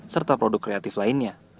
serta produk kreatif lainnya